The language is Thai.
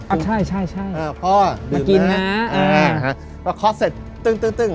ใช่ใช่ใช่อ่าพ่อมากินนะอ่าฮะก็เคาะเสร็จตึ้งตึ้งตึ้ง